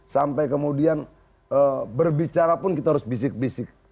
sampai kemudian berbicara pun kita harus bisik bisik